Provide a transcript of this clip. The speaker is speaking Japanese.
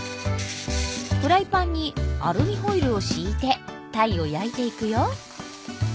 フライパンにアルミホイルを敷いてたいを焼いていくよ。